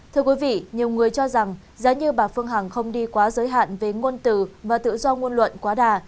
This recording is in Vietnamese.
thưa quý vị nhiều người cho rằng giá như bà phương hằng không đi quá giới hạn về ngôn từ và tự do ngôn luận quá đà